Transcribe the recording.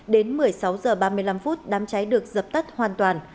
đến một mươi sáu h ba mươi năm phút đám cháy được dập tắt hoàn toàn